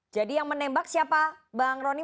jadi yang menembak siapa bang roni